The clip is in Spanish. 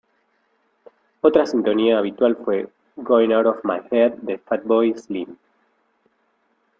Otra sintonía habitual fue "Going out of my head" de Fatboy Slim.